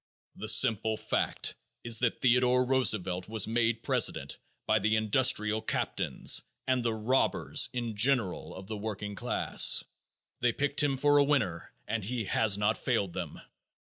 The simple fact is that Theodore Roosevelt was made president by the industrial captains and the robbers in general of the working class. They picked him for a winner and he has not failed them.